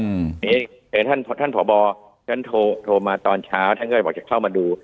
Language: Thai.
เนี่ยท่านท่านพ่อบอฉันโทรโทรมาตอนเช้าท่านก็บอกจะเข้ามาดู